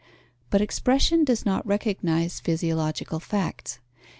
But expression does not recognize physiological facts.